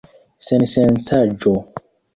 Sensencaĵo!